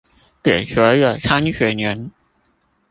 給所有參選人